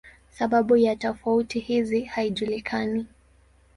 Sababu ya tofauti hizi haijulikani.